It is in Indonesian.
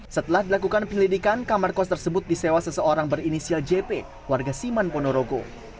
setelah dilakukan penyelidikan kamar kos tersebut disewa seseorang berinisial jp warga siman ponorogo